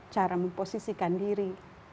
cara memposisikan diri